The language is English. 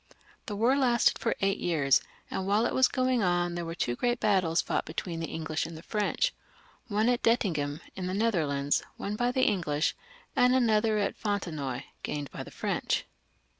The war lasted for eight yeaxs, and whUe it was going on there were two great battles fought between the English and the French — one at Dettingen, in the Netherlands, won by the English, and another at Fontenoy, gained by the French.